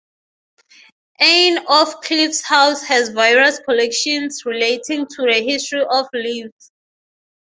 Anne of Cleves House has various collections relating to the history of Lewes.